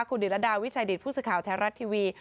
คุณดิดละดาวิชัยดิตผู้สึกข่าวแท้รัฐทีวี